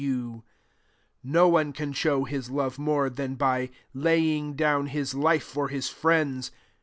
13 u No one can show his love more, than by laying down his life for his friends.